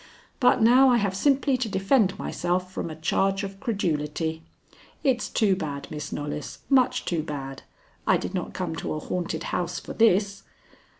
But now I have simply to defend myself from a charge of credulity. It's too bad, Miss Knollys, much too bad. I did not come to a haunted house for this."